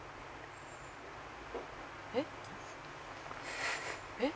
「えっ？えっ？」